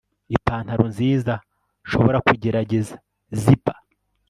ipantaro nziza nshobora kugerageza zipper